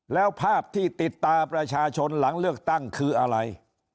แล้วภาพที่ติดตาประชาชนหลังเลือกตั้งคืออะไร